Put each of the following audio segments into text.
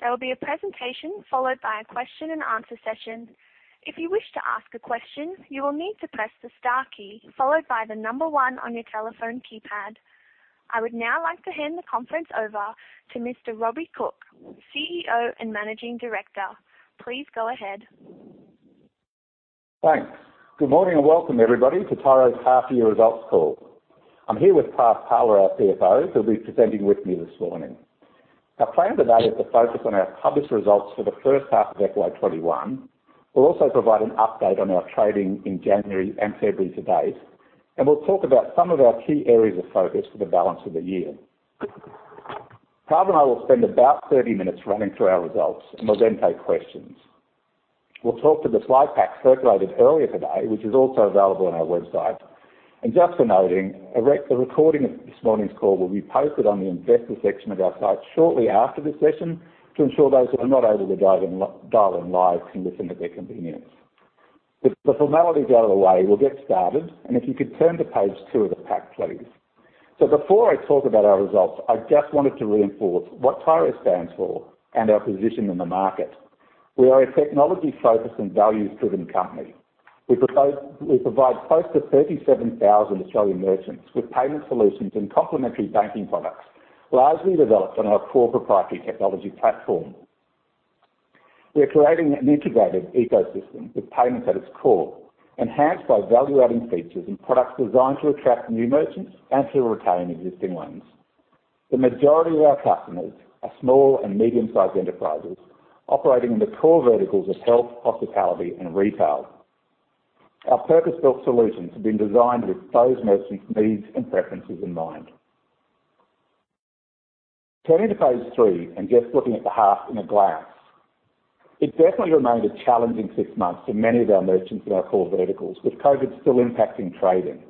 There will be a presentation followed by a question-and-answer session. If you wish to ask a question, you will need to press the star key followed by the number one on your telephone keypad. I would now like to hand the conference over to Mr. Robbie Cooke, CEO and Managing Director. Please go ahead. Thanks. Good morning and welcome everybody to Tyro's half year results call. I'm here with Prav Pala, our CFO, who'll be presenting with me this morning. Our plan today is to focus on our published results for the first half of FY 21. We'll also provide an update on our trading in January and February to date, and we'll talk about some of our key areas of focus for the balance of the year. Prav and I will spend about 30 minutes running through our results, and we'll then take questions. We'll talk to the slide pack circulated earlier today, which is also available on our website. Just for noting, a recording of this morning's call will be posted on the Investors section of our site shortly after the session to ensure those who are not able to dial in live can listen at their convenience. With the formalities out of the way, we'll get started, and if you could turn to page two of the pack, please. Before I talk about our results, I just wanted to reinforce what Tyro stands for and our position in the market. We are a technology-focused and values-driven company. We provide close to 37,000 Australian merchants with payment solutions and complementary banking products, largely developed on our core proprietary technology platform. We are creating an integrated ecosystem with payments at its core, enhanced by value-adding features and products designed to attract new merchants and to retain existing ones. The majority of our customers are small and medium-sized enterprises operating in the core verticals of health, hospitality, and retail. Our purpose-built solutions have been designed with those merchants' needs and preferences in mind. Turning to page three and just looking at the half in a glance. It definitely remained a challenging six months for many of our merchants in our core verticals, with COVID still impacting trading.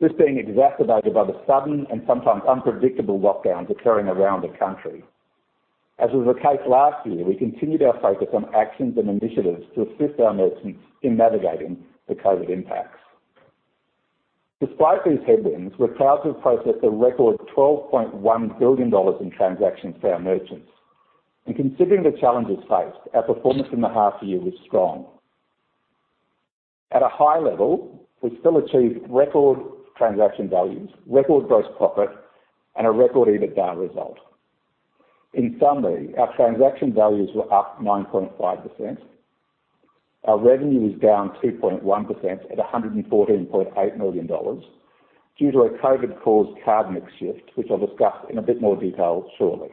This being exacerbated by the sudden and sometimes unpredictable lockdowns occurring around the country. As was the case last year, we continued our focus on actions and initiatives to assist our merchants in navigating the COVID impacts. Despite these headwinds, we're proud to have processed a record 12.1 billion dollars in transactions for our merchants. Considering the challenges faced, our performance in the half year was strong. At a high level, we still achieved record transaction values, record gross profit, and a record EBITDA result. In summary, our transaction values were up 9.5%. Our revenue was down 2.1% at 114.8 million dollars due to a COVID-caused card mix shift, which I'll discuss in a bit more detail shortly.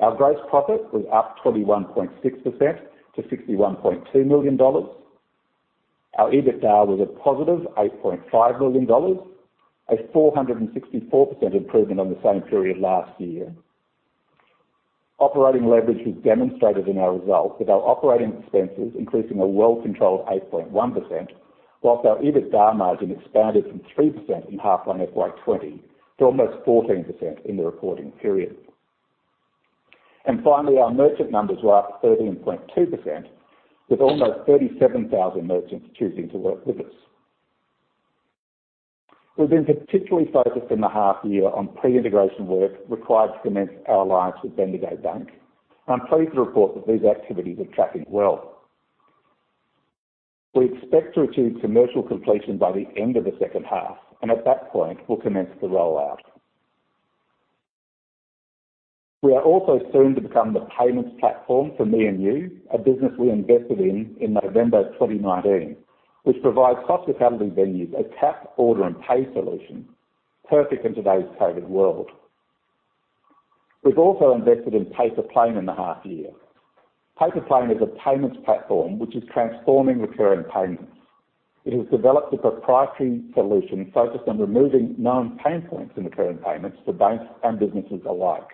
Our gross profit was up 21.6% to AUD 61.2 million. Our EBITDA was a 8.5+ million dollars, a 464% improvement on the same period last year. Operating leverage was demonstrated in our results, with our operating expenses increasing a well-controlled 8.1%, whilst our EBITDA margin expanded from 3% in half 1 FY 2020 to almost 14% in the recording period. Finally, our merchant numbers were up 13.2%, with almost 37,000 merchants choosing to work with us. We've been particularly focused in the half year on pre-integration work required to commence our alliance with Bendigo Bank, I'm pleased to report that these activities are tracking well. We expect to achieve commercial completion by the end of the second half, at that point, we'll commence the rollout. We are also soon to become the payments platform for me&u, a business we invested in in November of 2019, which provides hospitality venues a tap order and pay solution, perfect in today's COVID world. We've also invested in Paypa Plane in the half year. Paypa Plane is a payments platform which is transforming recurring payments. It has developed a proprietary solution focused on removing known pain points in recurring payments for banks and businesses alike.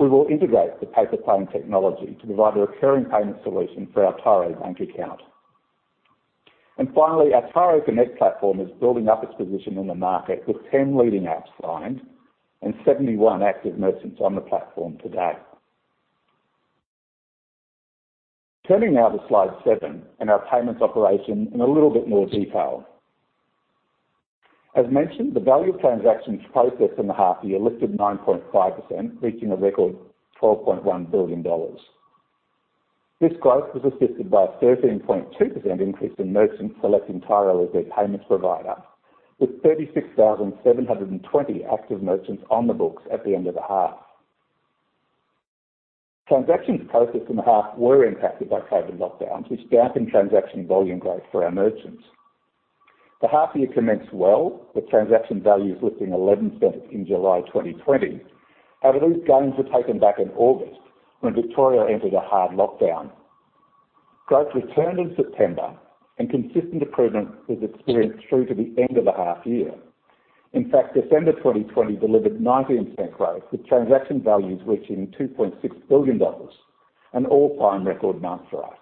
We will integrate the Paypa Plane technology to provide a recurring payment solution for our Tyro Bank Account. Finally, our Tyro Connect platform is building up its position in the market with 10 leading apps signed and 71 active merchants on the platform to date. Turning now to slide seven and our payments operation in a little bit more detail. As mentioned, the value of transactions processed in the half year lifted 9.5%, reaching a record 12.1 billion dollars. This growth was assisted by a 13.2% increase in merchants selecting Tyro as their payments provider, with 36,720 active merchants on the books at the end of the half. Transactions processed in the half were impacted by COVID lockdowns, which dampened transaction volume growth for our merchants. The half year commenced well, with transaction values lifting 11% in July 2020. However, these gains were taken back in August when Victoria entered a hard lockdown. Growth returned in September and consistent improvement was experienced through to the end of the half year. In fact, December 2020 delivered 19% growth, with transaction values reaching 2.6 billion dollars, an all-time record amount for us.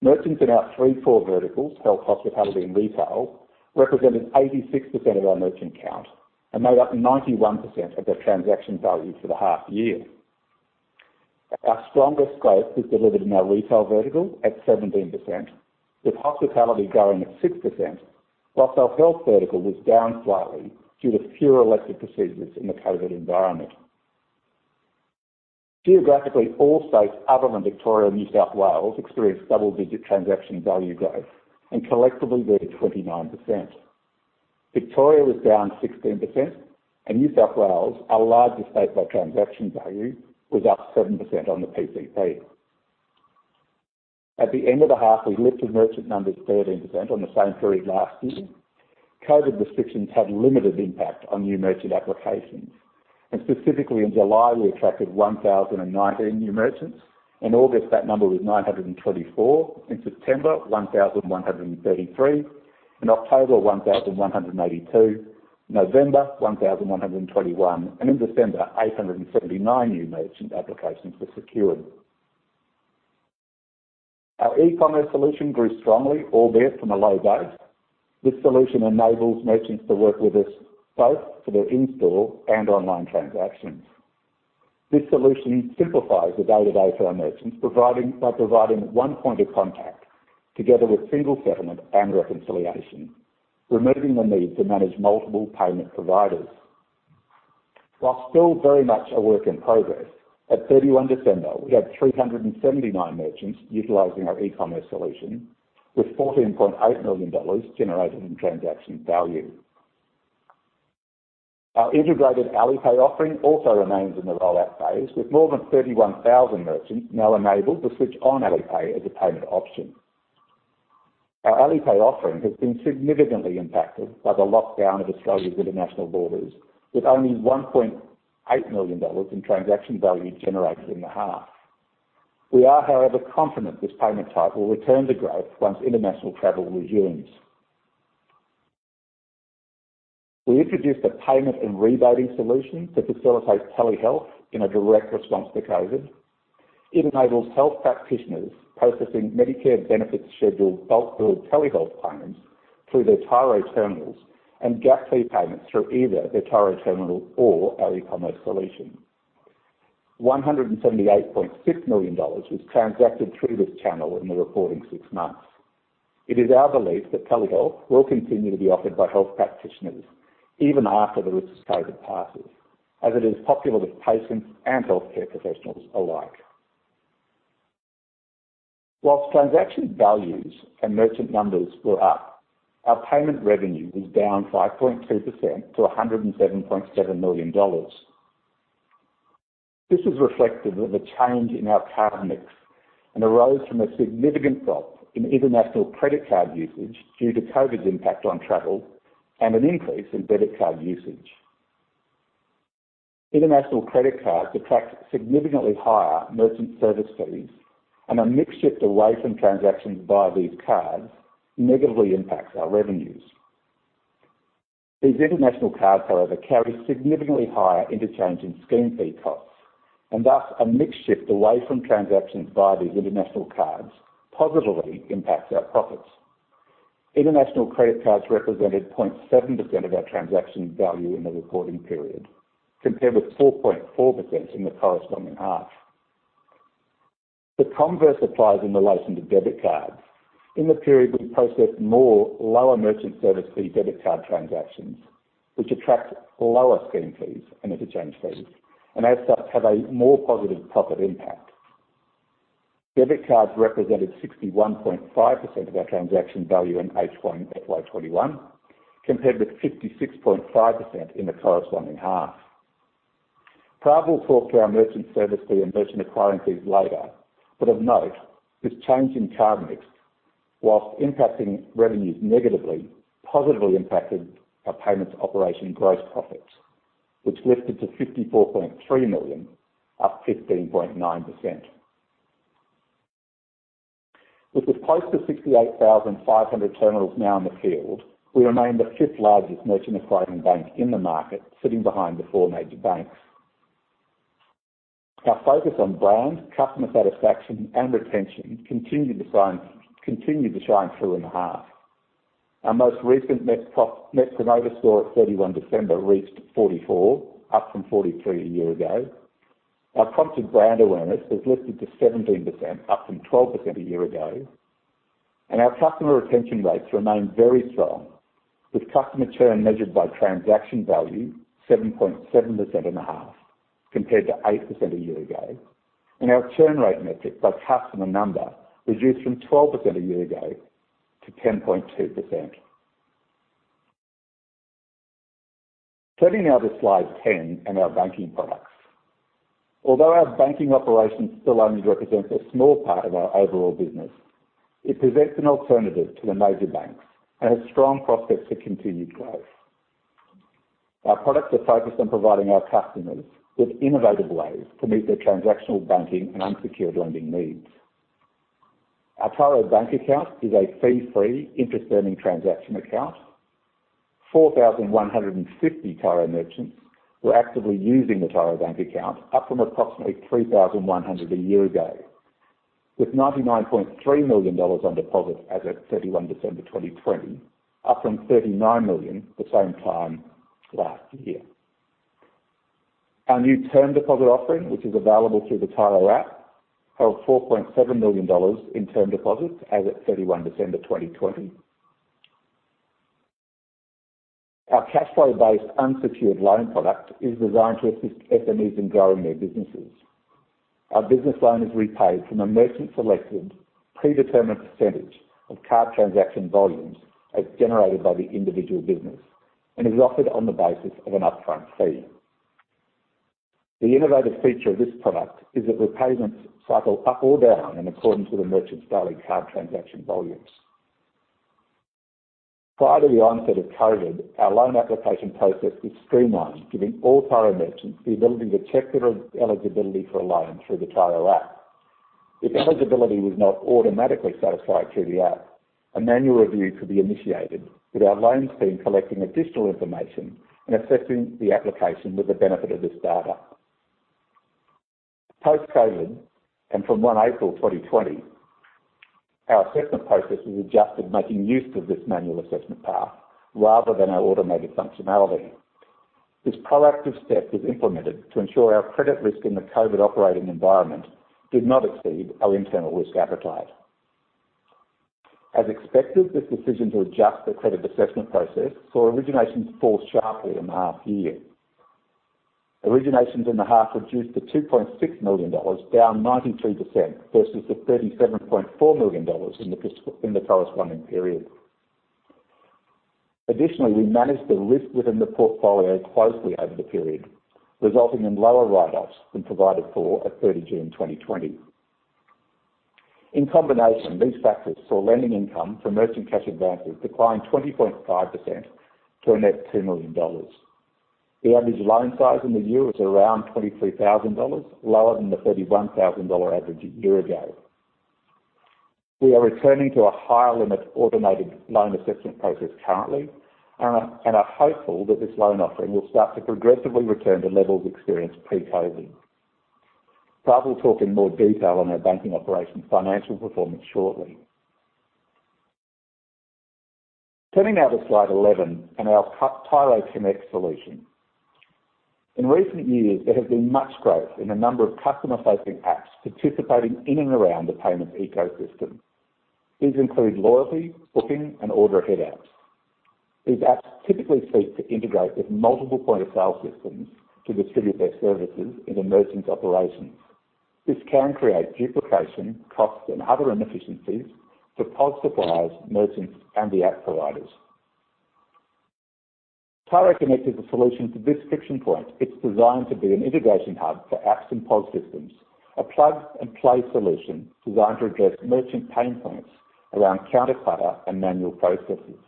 Merchants in our three core verticals, health, hospitality, and retail, represented 86% of our merchant count and made up 91% of the transaction value for the half year. Our strongest growth was delivered in our retail vertical at 17%, with hospitality growing at 6%, whilst our health vertical was down slightly due to fewer elective procedures in the COVID environment. Geographically, all states other than Victoria and New South Wales experienced double-digit transaction value growth and collectively grew 29%. Victoria was down 16% and New South Wales, our largest state by transaction value, was up 7% on the PCP. At the end of the half, we've lifted merchant numbers 13% on the same period last year. COVID restrictions had limited impact on new merchant applications, and specifically in July, we attracted 1,019 new merchants. In August, that number was 924. In September, 1,133. In October, 1,182. November, 1,121. In December, 879 new merchant applications were secured. Our e-commerce solution grew strongly, albeit from a low base. This solution enables merchants to work with us both for their in-store and online transactions. This solution simplifies the day-to-day for our merchants by providing one point of contact together with single settlement and reconciliation, removing the need to manage multiple payment providers. While still very much a work in progress, at 31 December, we had 379 merchants utilizing our e-commerce solution with 14.8 million dollars generated in transaction value. Our integrated Alipay offering also remains in the rollout phase, with more than 31,000 merchants now enabled to switch on Alipay as a payment option. Our Alipay offering has been significantly impacted by the lockdown of Australia's international borders, with only 1.8 million dollars in transaction value generated in the half. We are, however, confident this payment type will return to growth once international travel resumes. We introduced a payment and rebating solution to facilitate telehealth in a direct response to COVID. It enables health practitioners processing Medicare Benefits Schedule bulk billed telehealth payments through their Tyro terminals and gap fee payments through either their Tyro terminal or our e-commerce solution. 178.6 million dollars was transacted through this channel in the reporting six months. It is our belief that telehealth will continue to be offered by health practitioners even after the risk of COVID passes, as it is popular with patients and healthcare professionals alike. Whilst transaction values and merchant numbers were up, our payment revenue was down 5.2% to 107.7 million dollars. This is reflective of a change in our card mix and arose from a significant drop in international credit card usage due to COVID's impact on travel and an increase in debit card usage. International credit cards attract significantly higher merchant service fees and a mix shift away from transactions via these cards negatively impacts our revenues. These international cards, however, carry significantly higher interchange and scheme fee costs. Thus a mix shift away from transactions via these international cards positively impacts our profits. International credit cards represented 0.7% of our transaction value in the reporting period, compared with 4.4% in the corresponding half. The converse applies in relation to debit cards. In the period, we processed more lower merchant service fee debit card transactions, which attract lower scheme fees and interchange fees. As such, have a more positive profit impact. Debit cards represented 61.5% of our transaction value in H1 FY 2021, compared with 56.5% in the corresponding half. Prav will talk to our merchant service fee and merchant acquiring fees later. Of note, this change in card mix, whilst impacting revenues negatively, positively impacted our payments operation gross profits, which lifted to 54.3 million, up 15.9%. With close to 68,500 terminals now in the field, we remain the fifth largest merchant acquiring bank in the market, sitting behind the four major banks. Our focus on brand, customer satisfaction, and retention continued to shine through in the half. Our most recent Net Promoter Score at 31 December reached 44, up from 43 a year ago. Our prompted brand awareness has lifted to 17%, up from 12% a year ago. Our customer retention rates remain very strong, with customer churn measured by transaction value 7.7% in the half compared to 8% a year ago. Our churn rate metric by customer number reduced from 12% a year ago to 10.2%. Turning now to slide 10 and our banking products. Although our banking operations still only represents a small part of our overall business, it presents an alternative to the major banks and has strong prospects for continued growth. Our products are focused on providing our customers with innovative ways to meet their transactional banking and unsecured lending needs. Our Tyro Bank Account is a fee-free, interest-earning transaction account. 4,150 Tyro merchants were actively using the Tyro Bank Account, up from approximately 3,100 a year ago. With AUD 99.3 million on deposit as at 31 December 2020, up from AUD 39 million the same time last year. Our new term deposit offering, which is available through the Tyro App, held 4.7 million dollars in term deposits as at 31 December 2020. Our cashflow-based unsecured loan product is designed to assist SMEs in growing their businesses. Our business loan is repaid from a merchant-selected predetermined percentage of card transaction volumes as generated by the individual business and is offered on the basis of an upfront fee. The innovative feature of this product is that repayments cycle up or down and according to the merchant's daily card transaction volumes. Prior to the onset of COVID, our loan application process was streamlined, giving all Tyro merchants the ability to check their eligibility for a loan through the Tyro App. If eligibility was not automatically satisfied through the App, a manual review could be initiated with our loans team collecting additional information and assessing the application with the benefit of this data. Post-COVID, from 1 April 2020, our assessment process was adjusted, making use of this manual assessment path rather than our automated functionality. This proactive step was implemented to ensure our credit risk in the COVID operating environment did not exceed our internal risk appetite. As expected, this decision to adjust the credit assessment process saw originations fall sharply in the half year. Originations in the half reduced to AUD 2.6 million, down 93% versus the AUD 37.4 million in the corresponding period. We managed the risk within the portfolio closely over the period, resulting in lower write-offs than provided for at 30 June 2020. In combination, these factors saw lending income for merchant cash advances decline 20.5% to a net 2 million dollars. The average loan size in the year was around 23,000 dollars, lower than the 31,000 dollar average a year ago. We are returning to a higher-limit automated loan assessment process currently and are hopeful that this loan offering will start to progressively return to levels experienced pre-COVID. Prav will talk in more detail on our banking operations financial performance shortly. Turning now to slide 11 and our Tyro Connect solution. In recent years, there has been much growth in the number of customer-facing apps participating in and around the payments ecosystem. These include loyalty, booking, and order-ahead apps. These apps typically seek to integrate with multiple point-of-sale systems to distribute their services into merchants' operations. This can create duplication, costs, and other inefficiencies for POS suppliers, merchants, and the app providers. Tyro Connect is a solution to this friction point. It's designed to be an integration hub for apps and POS systems, a plug-and-play solution designed to address merchant pain points around counter clutter and manual processes.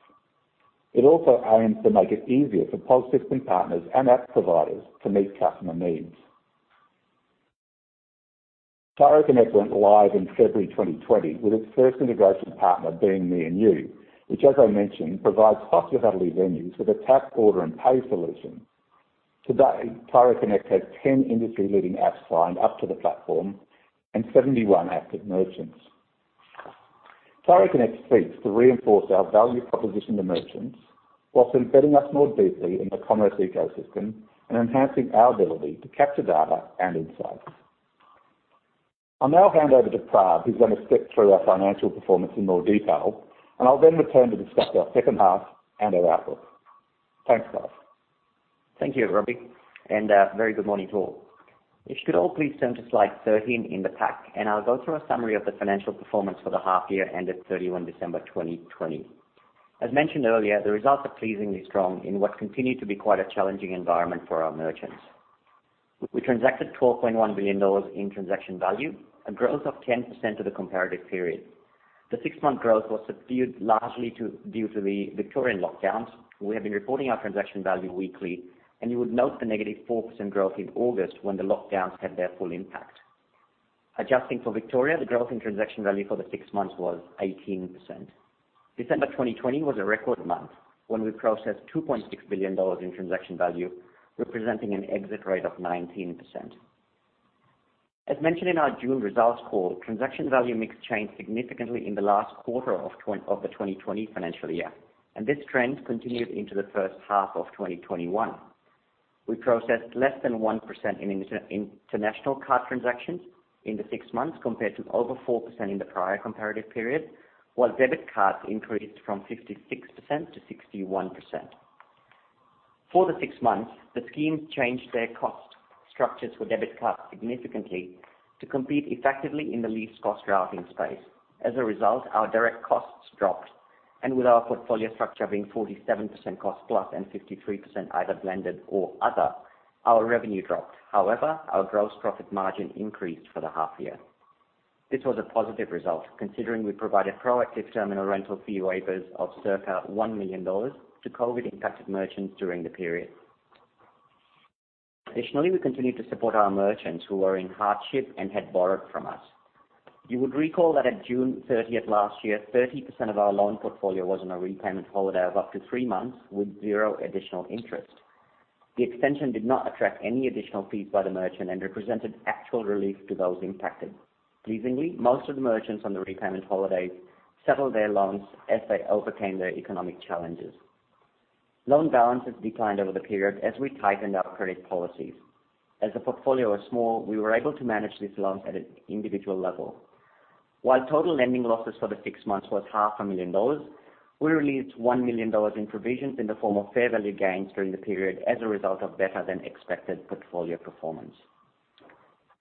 It also aims to make it easier for POS system partners and app providers to meet customer needs. Tyro Connect went live in February 2020, with its first integration partner being me&u, which, as I mentioned, provides hospitality venues with a tap order and pay solution. Today, Tyro Connect has 10 industry-leading apps signed up to the platform and 71 active merchants. Tyro Connect seeks to reinforce our value proposition to merchants while embedding us more deeply in the commerce ecosystem and enhancing our ability to capture data and insights. I'll now hand over to Prav, who's going to step through our financial performance in more detail, and I'll then return to discuss our second half and our outlook. Thanks, Prav. Thank you, Robbie, and a very good morning to all. If you could all please turn to slide 13 in the pack, and I'll go through a summary of the financial performance for the half year ended 31 December 2020. As mentioned earlier, the results are pleasingly strong in what continued to be quite a challenging environment for our merchants. We transacted 12.1 billion dollars in transaction value, a growth of 10% to the comparative period. The six-month growth was subdued largely due to the Victorian lockdowns. We have been reporting our transaction value weekly, and you would note the -4% growth in August when the lockdowns had their full impact. Adjusting for Victoria, the growth in transaction value for the six months was 18%. December 2020 was a record month when we processed 2.6 billion dollars in transaction value, representing an exit rate of 19%. As mentioned in our June results call, transaction value mix changed significantly in the last quarter of the 2020 financial year, and this trend continued into the first half of 2021. We processed less than 1% in international card transactions in the six months, compared to over 4% in the prior comparative period, while debit cards increased from 56%-61%. For the six months, the schemes changed their cost structures for debit cards significantly to compete effectively in the Least Cost Routing space. As a result, our direct costs dropped, and with our portfolio structure being 47% cost-plus and 53% either blended or other, our revenue dropped. Our gross profit margin increased for the half year. This was a positive result considering we provided proactive terminal rental fee waivers of circa 1 million dollars to COVID-impacted merchants during the period. Additionally, we continued to support our merchants who were in hardship and had borrowed from us. You would recall that on June 30th last year, 30% of our loan portfolio was on a repayment holiday of up to three months with zero additional interest. The extension did not attract any additional fees by the merchant and represented actual relief to those impacted. Pleasingly, most of the merchants on the repayment holidays settled their loans as they overcame their economic challenges. Loan balances declined over the period as we tightened our credit policies. As the portfolio is small, we were able to manage these loans at an individual level. While total lending losses for the six months was 500,000 dollars, we released 1 million dollars in provisions in the form of fair value gains during the period as a result of better-than-expected portfolio performance.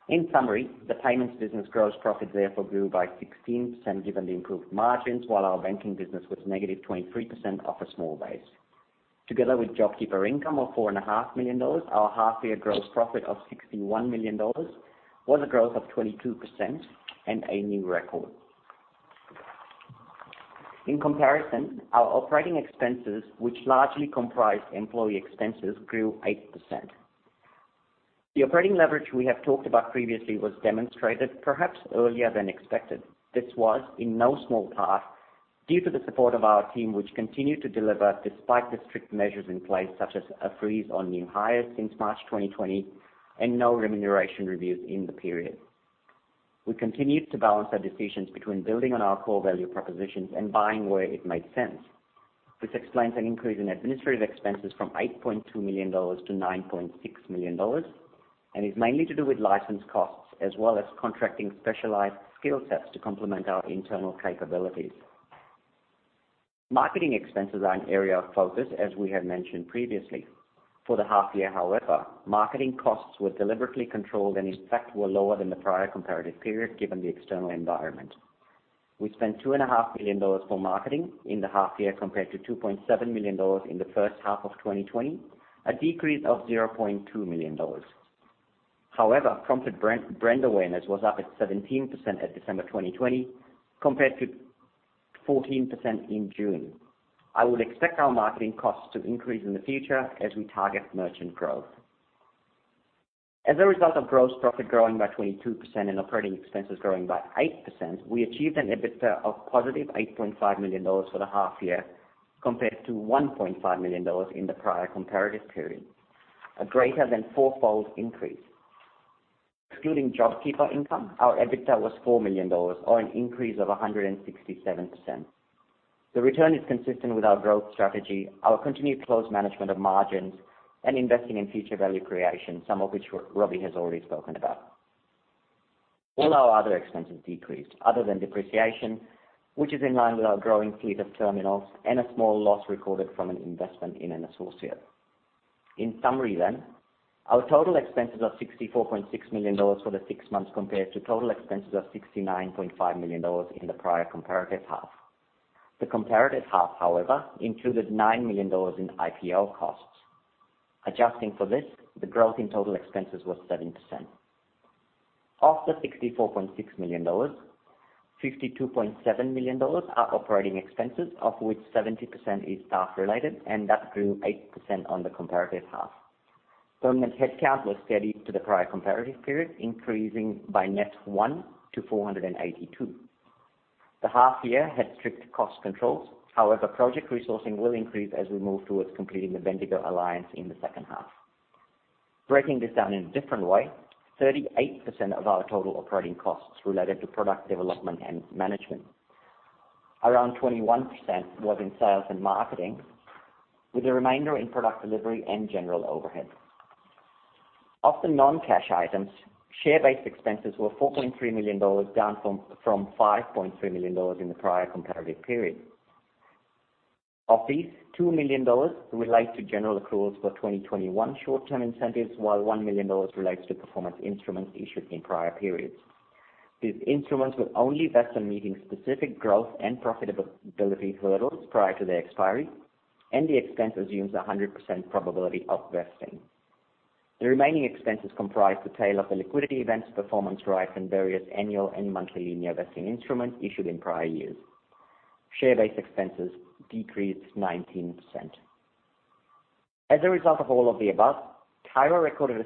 In summary, the payments business gross profit therefore grew by 16% given the improved margins, while our banking business was -23% off a small base. Together with JobKeeper income of 4.5 million dollars, our half-year gross profit of 61 million dollars was a growth of 22% and a new record. In comparison, our operating expenses, which largely comprise employee expenses, grew 8%. The operating leverage we have talked about previously was demonstrated perhaps earlier than expected. This was, in no small part, due to the support of our team, which continued to deliver despite the strict measures in place, such as a freeze on new hires since March 2020 and no remuneration reviews in the period. We continued to balance our decisions between building on our core value propositions and buying where it made sense. This explains an increase in administrative expenses from 8.2 million-9.6 million dollars and is mainly to do with license costs as well as contracting specialized skill sets to complement our internal capabilities. Marketing expenses are an area of focus, as we have mentioned previously. For the half year, however, marketing costs were deliberately controlled and in fact were lower than the prior comparative period, given the external environment. We spent 2.5 million dollars for marketing in the half year compared to 2.7 million dollars in the first half of 2020, a decrease of 0.2 million dollars. However, prompted brand awareness was up at 17% at December 2020 compared to 14% in June. I would expect our marketing costs to increase in the future as we target merchant growth. As a result of gross profit growing by 22% and operating expenses growing by 8%, we achieved an EBITDA of 8.5+ million dollars for the half year compared to 1.5 million dollars in the prior comparative period, a greater than fourfold increase. Excluding JobKeeper income, our EBITDA was 4 million dollars, or an increase of 167%. The return is consistent with our growth strategy, our continued close management of margins, and investing in future value creation, some of which Robbie has already spoken about. All our other expenses decreased other than depreciation, which is in line with our growing fleet of terminals and a small loss recorded from an investment in an associate. In summary, our total expenses are 64.6 million dollars for the six months compared to total expenses of 69.5 million dollars in the prior comparative half. The comparative half, however, included 9 million dollars in IPO costs. Adjusting for this, the growth in total expenses was 7%. Of the 64.6 million dollars, 52.7 million dollars are operating expenses, of which 70% is staff-related, and that grew 8% on the comparative half. Permanent headcount was steady to the prior comparative period, increasing by net one to 482. The half year had strict cost controls. Project resourcing will increase as we move towards completing the Bendigo alliance in the second half. Breaking this down in a different way, 38% of our total operating costs related to product development and management. Around 21% was in sales and marketing, with the remainder in product delivery and general overhead. Of the non-cash items, share-based expenses were 4.3 million dollars, down from 5.3 million dollars in the prior comparative period. Of these, 2 million dollars relates to general accruals for 2021 short-term incentives, while 1 million dollars relates to performance instruments issued in prior periods. These instruments will only vest on meeting specific growth and profitability hurdles prior to their expiry, and the expense assumes 100% probability of vesting. The remaining expenses comprise the tail of the liquidity event's performance rights and various annual and monthly linear vesting instruments issued in prior years. Share-based expenses decreased 19%. As a result of all of the above, Tyro recorded a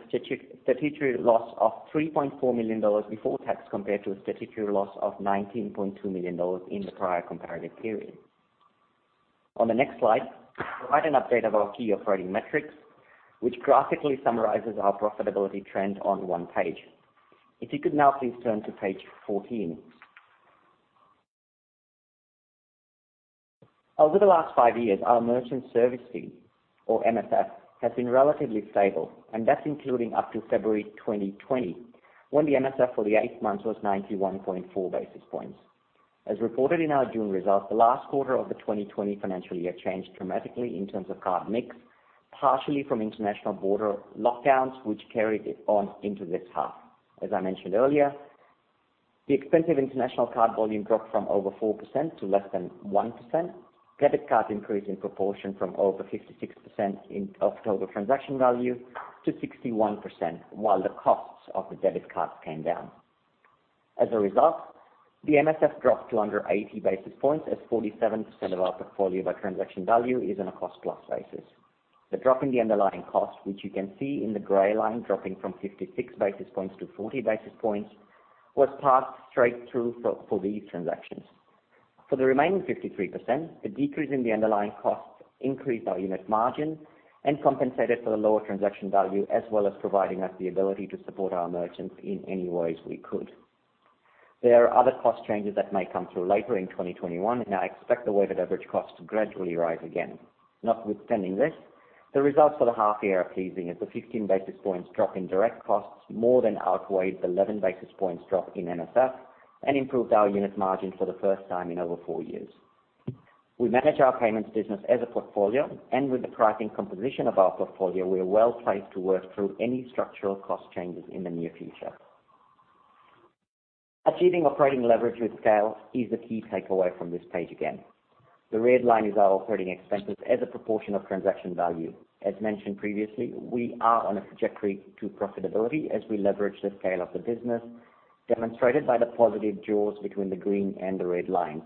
statutory loss of 3.4 million dollars before tax compared to a statutory loss of 19.2 million dollars in the prior comparative period. On the next slide, I provide an update of our key operating metrics, which graphically summarizes our profitability trend on one page. If you could now please turn to page 14. Over the last five years, our merchant service fee, or MSF, has been relatively stable, and that's including up to February 2020, when the MSF for the eight months was 91.4 basis points. As reported in our June results, the last quarter of the 2020 financial year changed dramatically in terms of card mix, partially from international border lockdowns, which carried it on into this half. As I mentioned earlier, the expensive international card volume dropped from over 4% to less than 1%. Debit cards increased in proportion from over 56% of total transaction value to 61%, while the costs of the debit cards came down. As a result, the MSF dropped to under 80 basis points as 47% of our portfolio by transaction value is on a cost-plus basis. The drop in the underlying cost, which you can see in the gray line dropping from 56 basis points to 40 basis points, was passed straight through for these transactions. For the remaining 53%, the decrease in the underlying costs increased our unit margin and compensated for the lower transaction value, as well as providing us the ability to support our merchants in any ways we could. There are other cost changes that may come through later in 2021, and I expect the weighted average cost to gradually rise again. Notwithstanding this, the results for the half year are pleasing, as the 15 basis points drop in direct costs more than outweighed the 11 basis points drop in MSF and improved our unit margin for the first time in over four years. We manage our payments business as a portfolio, and with the pricing composition of our portfolio, we are well-placed to work through any structural cost changes in the near future. Achieving operating leverage with scale is the key takeaway from this page again. The red line is our operating expenses as a proportion of transaction value. As mentioned previously, we are on a trajectory to profitability as we leverage the scale of the business, demonstrated by the positive jaws between the green and the red lines.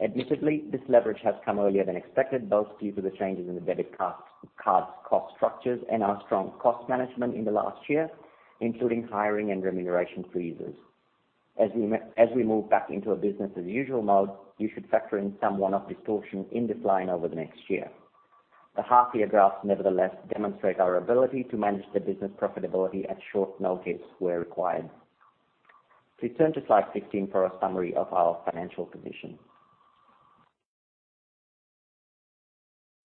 Admittedly, this leverage has come earlier than expected, both due to the changes in the debit cards' cost structures and our strong cost management in the last year, including hiring and remuneration freezes. As we move back into a business-as-usual mode, you should factor in some one-off distortion in this line over the next year. The half-year graphs, nevertheless, demonstrate our ability to manage the business profitability at short notice where required. Please turn to slide 15 for a summary of our financial position.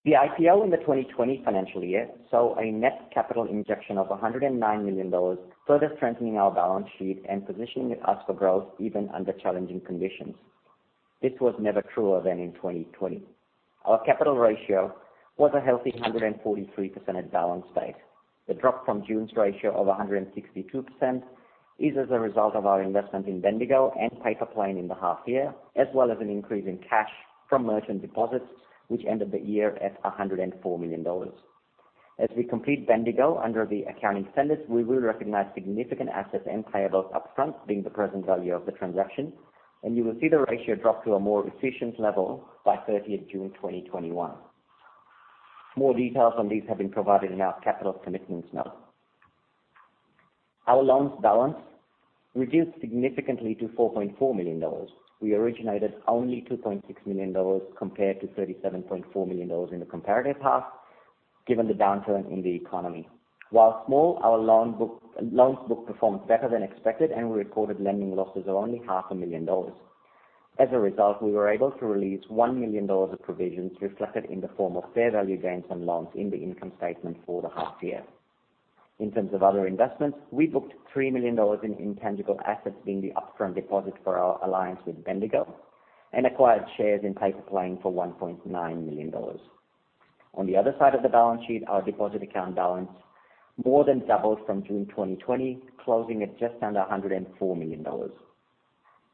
The IPO in the 2020 financial year saw a net capital injection of 109 million dollars, further strengthening our balance sheet and positioning us for growth even under challenging conditions. This was never truer than in 2020. Our capital ratio was a healthy 143% at balance date. The drop from June's ratio of 162% is as a result of our investment in Bendigo and Paypa Plane in the half year, as well as an increase in cash from merchant deposits, which ended the year at 104 million dollars. As we complete Bendigo under the accounting standards, we will recognize significant assets and payables upfront, being the present value of the transaction. You will see the ratio drop to a more efficient level by 30th June 2021. More details on these have been provided in our capital commitments note. Our loans balance reduced significantly to 4.4 million dollars. We originated only 2.6 million dollars compared to 37.4 million dollars in the comparative half, given the downturn in the economy. While small, our loans book performed better than expected, and we recorded lending losses of only 500,000 dollars. As a result, we were able to release 1 million dollars of provisions reflected in the form of fair value gains on loans in the income statement for the half year. In terms of other investments, we booked 3 million dollars in intangible assets, being the upfront deposit for our alliance with Bendigo, and acquired shares in Paypa Plane for 1.9 million dollars. On the other side of the balance sheet, our deposit account balance more than doubled from June 2020, closing at just under 104 million dollars.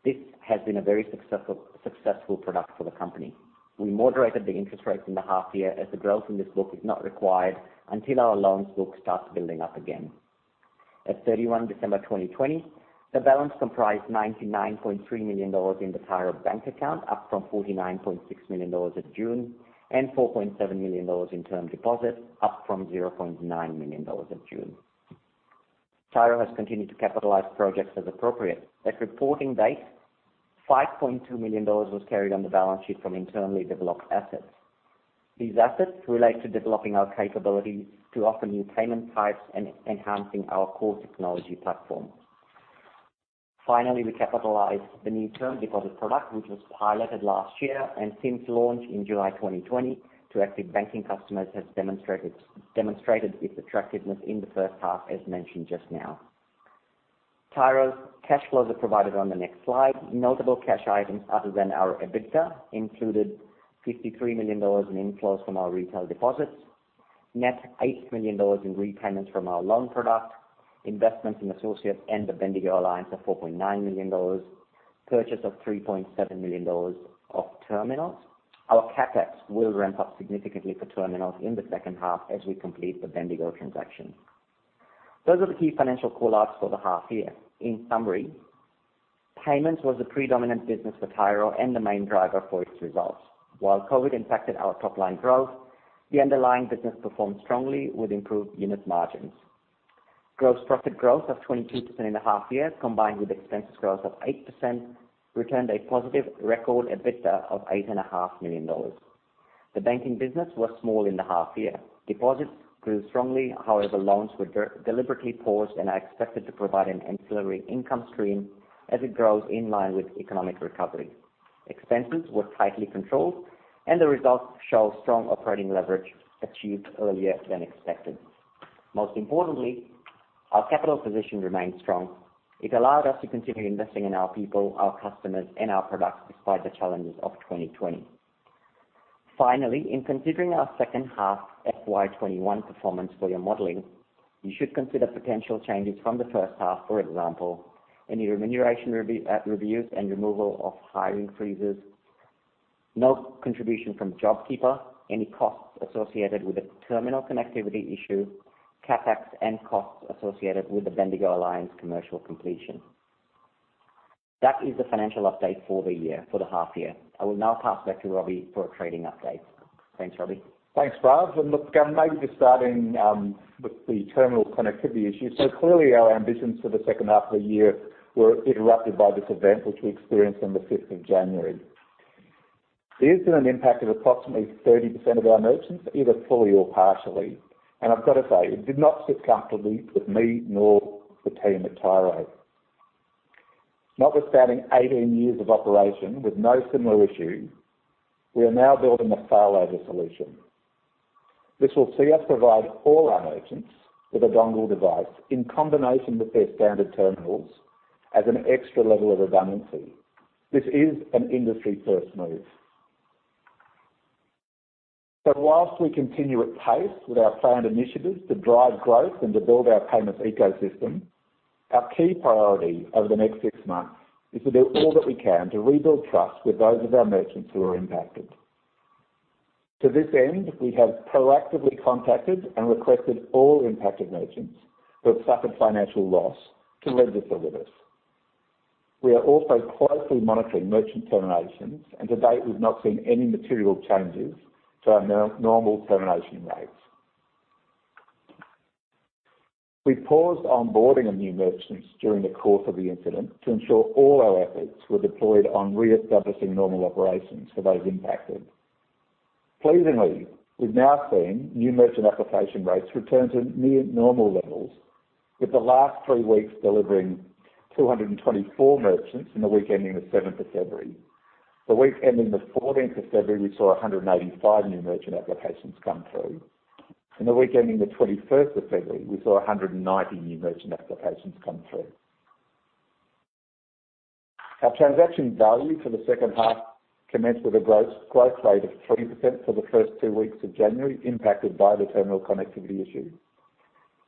This has been a very successful product for the company. We moderated the interest rates in the half year as the growth in this book is not required until our loans book starts building up again. At 31 December 2020, the balance comprised AUD 99.3 million in the Tyro Bank Account, up from AUD 49.6 million at June, and AUD 4.7 million in term deposits, up from AUD 0.9 million in June. Tyro has continued to capitalize projects as appropriate. At reporting date, 5.2 million dollars was carried on the balance sheet from internally developed assets. These assets relate to developing our capability to offer new payment types and enhancing our core technology platform. Finally, we capitalized the new term deposit product, which was piloted last year and since launch in July 2020 to active banking customers has demonstrated its attractiveness in the first half, as mentioned just now. Tyro's cash flows are provided on the next slide. Notable cash items other than our EBITDA included 53 million dollars in inflows from our retail deposits, net 8 million dollars in repayments from our loan product, investments in associates and the Bendigo alliance of 4.9 million dollars, purchase of 3.7 million dollars of terminals. Our CapEx will ramp up significantly for terminals in the second half as we complete the Bendigo transaction. Those are the key financial call-outs for the half year. In summary, payments was the predominant business for Tyro and the main driver for its results. While COVID impacted our top-line growth, the underlying business performed strongly with improved unit margins. Gross profit growth of 22% in the half year, combined with expense growth of 8%, returned a positive record EBITDA of 8.5 million dollars. The banking business was small in the half year. Deposits grew strongly. However, loans were deliberately paused and are expected to provide an ancillary income stream as it grows in line with economic recovery. Expenses were tightly controlled. The results show strong operating leverage achieved earlier than expected. Most importantly, our capital position remains strong. It allowed us to continue investing in our people, our customers, and our products despite the challenges of 2020. Finally, in considering our second half FY 2021 performance for your modeling, you should consider potential changes from the first half. For example, any remuneration reviews and removal of hiring freezes, no contribution from JobKeeper, any costs associated with the terminal connectivity issue, CapEx and costs associated with the Bendigo alliance commercial completion. That is the financial update for the half year. I will now pass back to Robbie for a trading update. Thanks, Robbie. Thanks, Prav. Look, maybe just starting with the terminal connectivity issue. Clearly our ambitions for the second half of the year were interrupted by this event, which we experienced on the 5th of January. It has been an impact of approximately 30% of our merchants, either fully or partially. I've got to say, it did not sit comfortably with me nor the team at Tyro. Notwithstanding 18 years of operation with no similar issue, we are now building a failover solution. This will see us provide all our merchants with a dongle device in combination with their standard terminals as an extra level of redundancy. This is an industry-first move. Whilst we continue at pace with our planned initiatives to drive growth and to build our payments ecosystem, our key priority over the next six months is to do all that we can to rebuild trust with those of our merchants who are impacted. To this end, we have proactively contacted and requested all impacted merchants who have suffered financial loss to register with us. We are also closely monitoring merchant terminations, and to date, we've not seen any material changes to our normal termination rates. We paused onboarding of new merchants during the course of the incident to ensure all our efforts were deployed on reestablishing normal operations for those impacted. Pleasingly, we've now seen new merchant application rates return to near normal levels, with the last three weeks delivering 224 merchants in the week ending the 7th of February. The week ending the 14th of February, we saw 185 new merchant applications come through. In the week ending the 21st of February, we saw 190 new merchant applications come through. Our transaction value for the second half commenced with a growth rate of 3% for the first two weeks of January, impacted by the terminal connectivity issue.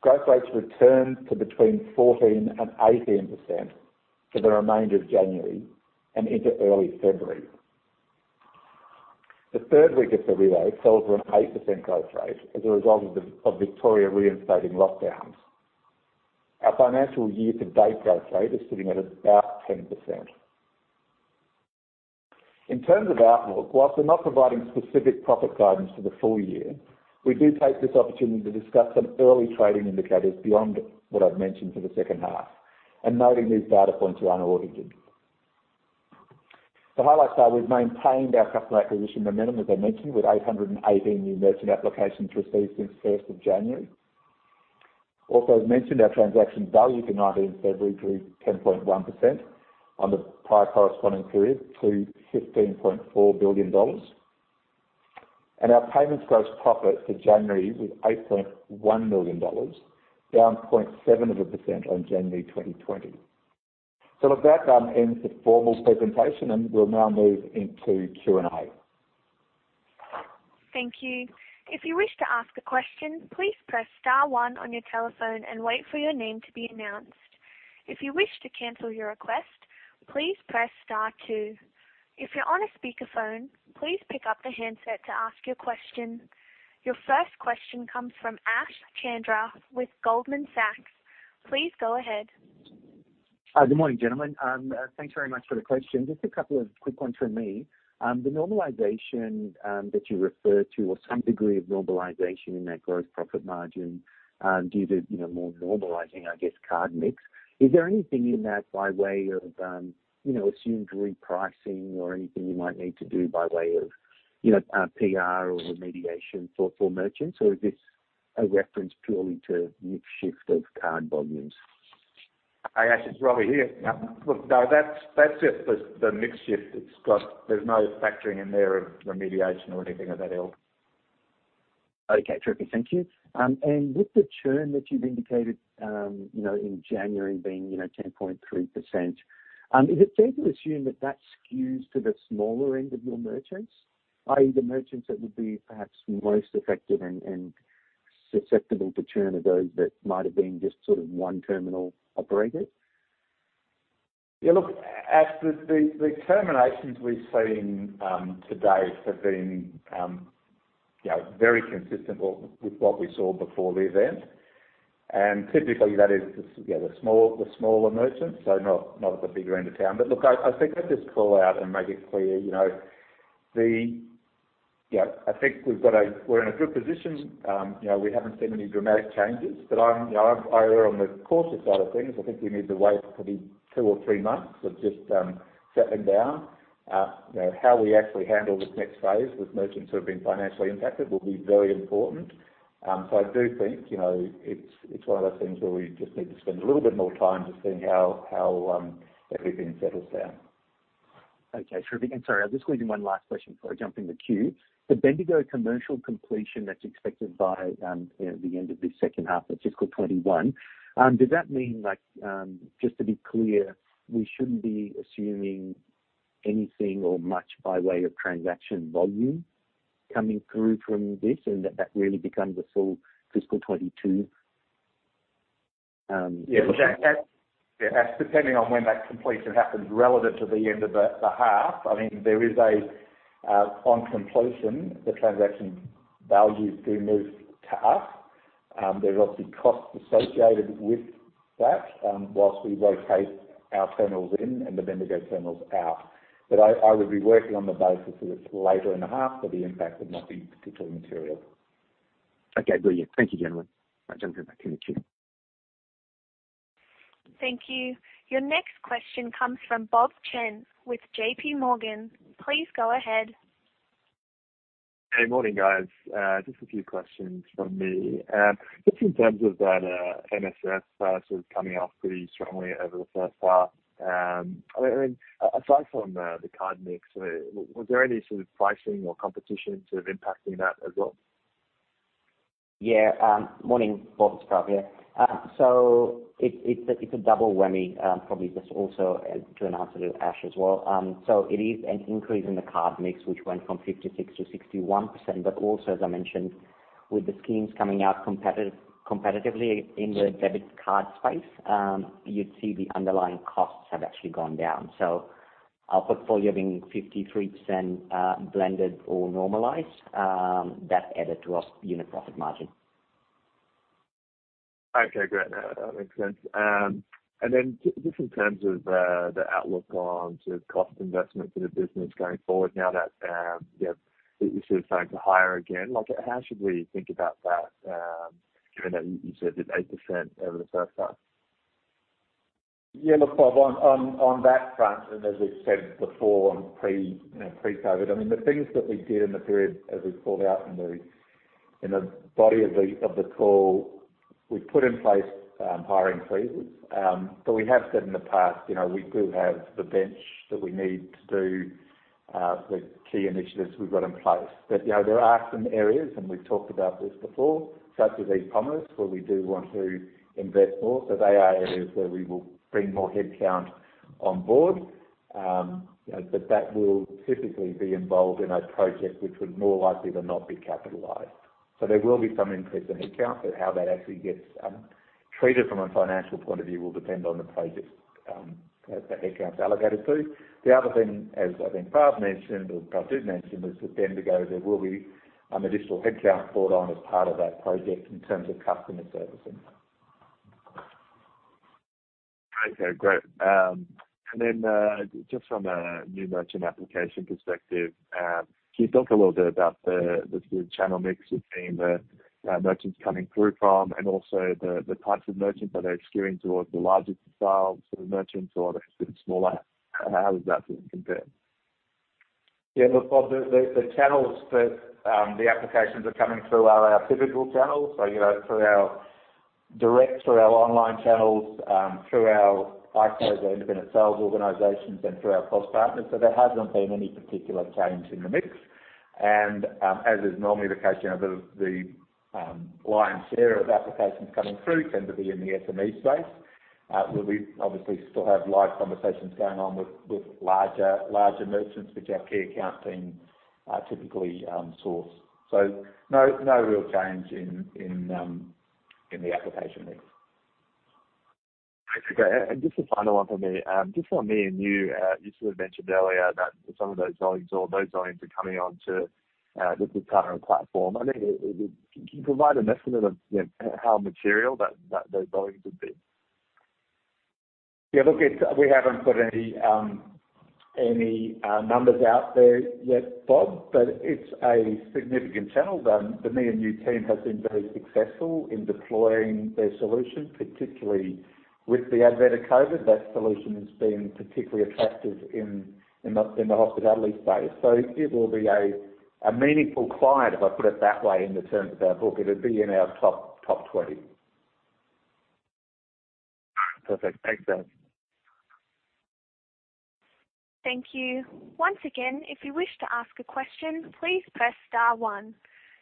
Growth rates returned to between 14%-18% for the remainder of January and into early February. The third week of February fell to an 8% growth rate as a result of Victoria reinstating lockdowns. Our financial year-to-date growth rate is sitting at about 10%. In terms of outlook, whilst we're not providing specific profit guidance for the full year, we do take this opportunity to discuss some early trading indicators beyond what I've mentioned for the second half, and noting these data points are unaudited. To highlight that we've maintained our customer acquisition momentum, as I mentioned, with 818 new merchant applications received since 1st of January. As mentioned, our transaction value for 19 February grew 10.1% on the prior corresponding period to 15.4 billion dollars. Our payments gross profit for January was 8.1 million dollars, down 0.7% on January 2020. Look, that ends the formal presentation, and we'll now move into Q&A. Thank you. If you wish to ask a question please press star one on your telephone and wait for your name to be announced. If you wish to cancel your request please press star two. If you're on a speakerphone please pick up your handset to ask your question. Your first question comes from Ash Chandra with Goldman Sachs. Please go ahead. Good morning, gentlemen. Thanks very much for the question. Just a couple of quick ones from me. The normalization that you referred to or some degree of normalization in that gross profit margin due to more normalizing, I guess, card mix. Is there anything in that by way of assumed repricing or anything you might need to do by way of PR or remediation for merchants? Is this a reference purely to mix shift of card volumes? Hey, Ash. It's Robbie here. Look, no, that's just the mix shift it's got. There's no factoring in there of remediation or anything of that ilk. Okay, terrific. Thank you. With the churn that you've indicated in January being 10.3%, is it fair to assume that that skews to the smaller end of your merchants, i.e., the merchants that would be perhaps most affected and susceptible to churn are those that might have been just sort of one terminal operators? Yeah, look, Ash, the terminations we've seen to date have been very consistent with what we saw before the event. Typically, that is the smaller merchants, so not at the bigger end of town. Look, I think I'd just call out and make it clear, I think we're in a good position. We haven't seen any dramatic changes, but I err on the cautious side of things. I think we need to wait for the two or three months of just settling down. How we actually handle this next phase with merchants who have been financially impacted will be very important. I do think it's one of those things where we just need to spend a little bit more time just seeing how everything settles down. Okay. Terrific. Sorry, I'll just squeeze in one last question before I jump in the queue. The Bendigo commercial completion that's expected by the end of this second half of fiscal 2021, does that mean, just to be clear, we shouldn't be assuming anything or much by way of transaction volume coming through from this and that that really becomes a full fiscal 2022? Yeah. That's depending on when that completion happens relative to the end of the half. I mean, there is on completion, the transaction value is being moved to us. There's obviously costs associated with that, while we rotate our terminals in and the Bendigo terminals out. I would be working on the basis that it's later in the half, so the impact would not be particularly material. Okay, brilliant. Thank you, gentlemen. I'll jump back in the queue. Thank you. Your next question comes from Bob Chen with JPMorgan. Please go ahead. Hey, morning, guys. Just a few questions from me. Just in terms of that MSF sort of coming off pretty strongly over the first half. Aside from the card mix, was there any sort of pricing or competition sort of impacting that as well? Yeah. Morning, Bob. It's Prav here. It's a double whammy, probably just also to, in answer to Ash as well. It is an increase in the card mix, which went from 56%-61%. Also, as I mentioned, with the schemes coming out competitively in the debit card space, you'd see the underlying costs have actually gone down. Our portfolio being 53% blended or normalized, that added to our unit profit margin. Okay, great. That makes sense. Just in terms of the outlook on sort of cost investment for the business going forward now that you're sort of starting to hire again, how should we think about that, given that you said you did 8% over the first half? Yeah. Look, Bob, on that front, and as we've said before on pre-COVID, I mean, the things that we did in the period as we called out in the body of the call, we put in place hiring freezes. We have said in the past, we do have the bench that we need to do the key initiatives we've got in place. There are some areas, and we've talked about this before, such as e-commerce, where we do want to invest more. They are areas where we will bring more headcount on board. That will typically be involved in a project which would more likely than not be capitalized. There will be some increase in headcount, but how that actually gets treated from a financial point of view will depend on the project that headcount's allocated to. The other thing, as I think Prav mentioned, or Prav did mention, was that Bendigo, there will be additional headcount brought on as part of that project in terms of customer servicing. Okay, great. Just from a new merchant application perspective, can you talk a little bit about the sort of channel mix you're seeing the merchants coming through from, and also the types of merchants that are skewing towards the larger style sort of merchants or the sort of smaller? How does that sit in compare? Yeah. Look, Bob, the channels that the applications are coming through are our typical channels. Through our direct, through our online channels, through our ISOs, our independent sales organizations, and through our close partners. There hasn't been any particular change in the mix. As is normally the case, the lion's share of applications coming through tend to be in the SME space, where we obviously still have live conversations going on with larger merchants, which our key account team typically source. No real change in the application mix. Okay. Just a final one for me. Just on me&u, you sort of mentioned earlier that some of those volumes or low volumes are coming on to just the Tyro platform. I mean, can you provide an estimate of how material that those volumes would be? Yeah, look, we haven't put any numbers out there yet, Bob, but it's a significant channel. The me&u team has been very successful in deploying their solution, particularly with the advent of COVID. That solution has been particularly attractive in the hospitality space. It will be a meaningful client, if I put it that way, in the terms of our book. It'd be in our top 20. Perfect. Thanks, guys. Thank you. Once again, if you wish to ask a question, please press star one.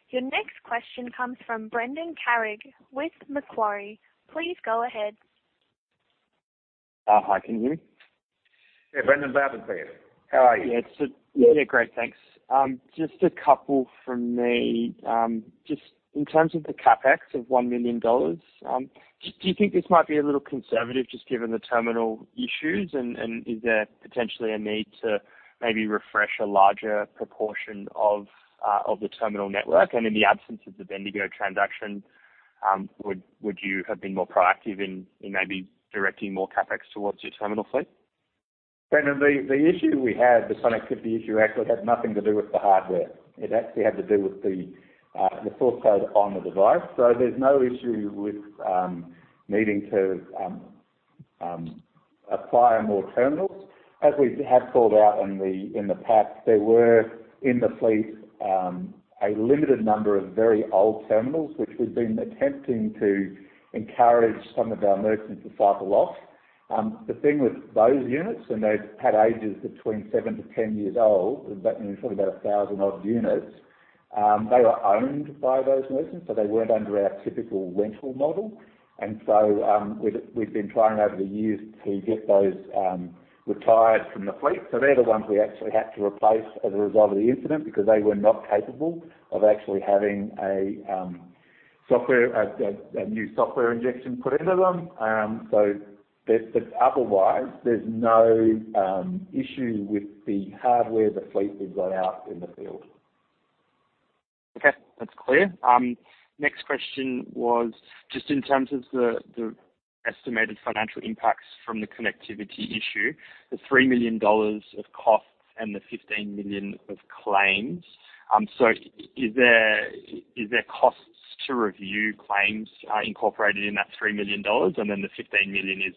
Your next question comes from Brendan Carrig with Macquarie. Please go ahead. Hi. Can you hear me? Yeah, Brendan. Robbie here. How are you? Yeah. Yeah, great, thanks. Just a couple from me. Just in terms of the CapEx of 1 million dollars, do you think this might be a little conservative, just given the terminal issues? Is there potentially a need to maybe refresh a larger proportion of the terminal network? In the absence of the Bendigo transaction, would you have been more proactive in maybe directing more CapEx towards your terminal fleet? Brendan, the issue we had, this connectivity issue, actually had nothing to do with the hardware. It actually had to do with the source code on the device. There's no issue with needing to apply more terminals. As we have called out in the past, there were, in the fleet, a limited number of very old terminals, which we've been attempting to encourage some of our merchants to cycle off. The thing with those units, and they had ages between seven to 10 years old, we're talking about 1,000 odd units. They were owned by those merchants, so they weren't under our typical rental model. We've been trying over the years to get those retired from the fleet. They're the ones we actually had to replace as a result of the incident because they were not capable of actually having a new software injection put into them. Otherwise, there's no issue with the hardware the fleet has got out in the field. That's clear. Next question was just in terms of the estimated financial impacts from the connectivity issue, the 3 million dollars of costs and the 15 million of claims. Is there costs to review claims incorporated in that 3 million dollars and then the 15 million is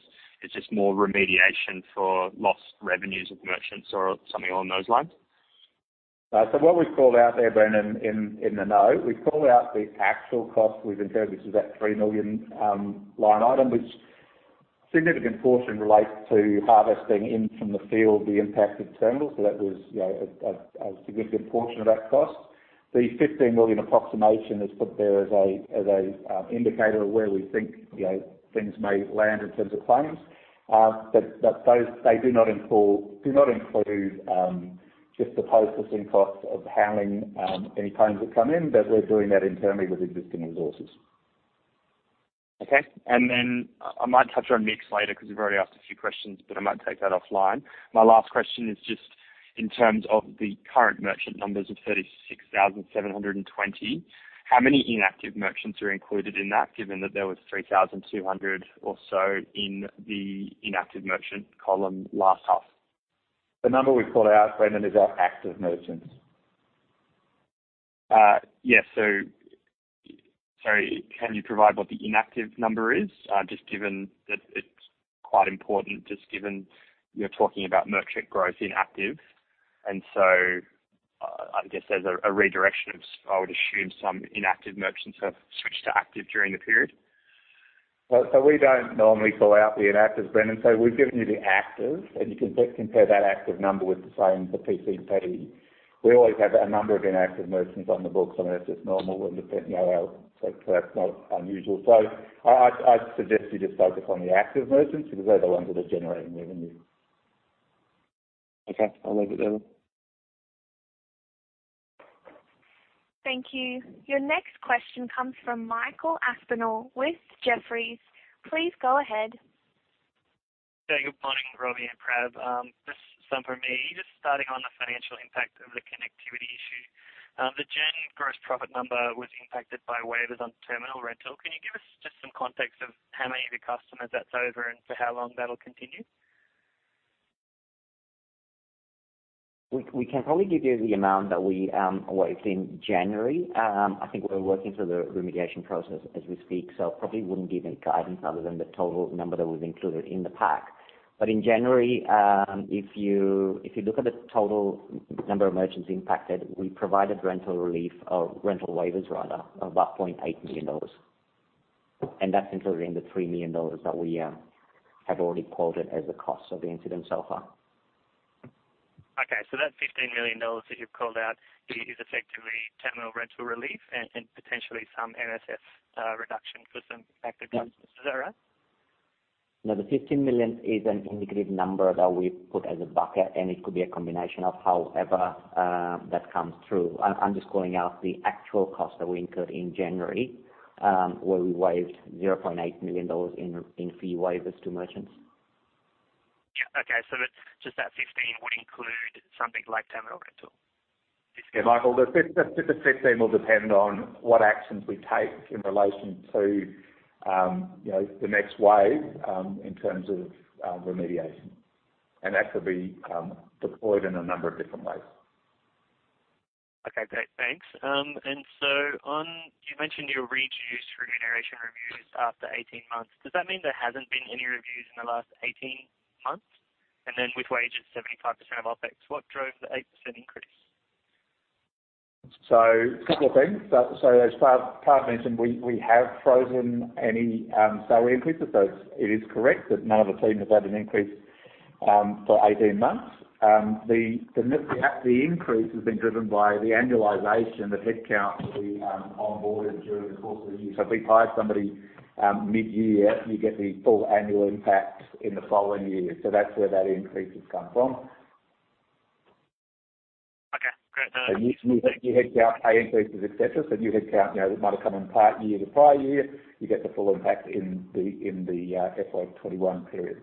just more remediation for lost revenues of merchants or something along those lines? What we've called out there, Brendan, in the note, we've called out the actual cost we've incurred, which is that 3 million line item, which significant portion relates to harvesting in from the field the impacted terminals. The 15 million approximation is put there as a indicator of where we think things may land in terms of claims. They do not include just the processing cost of handling any claims that come in, we're doing that internally with existing resources. Okay. I might touch on Mix later because we've already asked a few questions, but I might take that offline. My last question is just in terms of the current merchant numbers of 36,720. How many inactive merchants are included in that, given that there was 3,200 or so in the inactive merchant column last half? The number we called out, Brendan, is our active merchants. Yes. Sorry, can you provide what the inactive number is? Just given that it is quite important, just given you are talking about merchant growth in active, I guess there is a redirection of, I would assume, some inactive merchants have switched to active during the period. We don't normally call out the inactives, Brendan. We've given you the actives, and you can compare that active number with the same for PCP. We always have a number of inactive merchants on the books, and that's just normal and that's not unusual. I'd suggest you just focus on the active merchants because they're the ones that are generating revenue. Okay. I'll leave it there then. Thank you. Your next question comes from Michael Aspinall with Jefferies. Please go ahead. Yeah, good morning, Robbie and Prav. Just some from me. Just starting on the financial impact of the connectivity issue. The Jan gross profit number was impacted by waivers on terminal rental. Can you give us just some context of how many of your customers that's over and for how long that'll continue? We can probably give you the amount that we waived in January. I think we're working through the remediation process as we speak, so probably wouldn't give any guidance other than the total number that was included in the pack. In January, if you look at the total number of merchants impacted, we provided rental relief or rental waivers rather of about 0.8 million dollars. That's included in the 3 million dollars that we have already quoted as the cost of the incident so far. Okay. That 15 million dollars that you've called out is effectively terminal rental relief and potentially some MSF reduction for some impacted businesses. Is that right? The 15 million is an indicative number that we've put as a bucket, and it could be a combination of however that comes through. I'm just calling out the actual cost that we incurred in January, where we waived 0.8 million dollars in fee waivers to merchants. Yeah. Okay. Just that 15 million would include something like terminal rental? Yeah, Michael, the 15 million will depend on what actions we take in relation to the next wave in terms of remediation. That could be deployed in a number of different ways. Okay, great. Thanks. You mentioned your reduced remuneration reviews after 18 months. Does that mean there hasn't been any reviews in the last 18 months? With wages 75% of OpEx, what drove the 8% increase? A couple of things. As Prav mentioned, we have frozen any salary increases. It is correct that none of the team has had an increase for 18 months. The increase has been driven by the annualization, the headcount that we onboarded during the course of the year. If we hire somebody mid-year, you get the full annual impact in the following year. That's where that increase has come from. Okay, great. New headcount, pay increases, et cetera. New headcount, that might have come in part in the prior year, you get the full impact in the FY 2021 period.